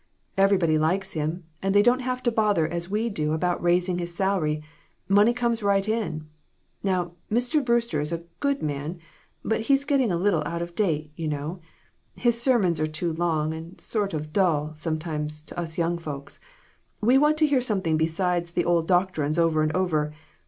Everybody likes him, and they don't have to bother as we do about raising his salary ; money comes right in. Now, Mr. Brewster is a good man, but he's getting a little out of date, you know. His sermons are too long, and sort o' dull, sometimes, to us young folks. We want to hear something besides the old doctrines over and over.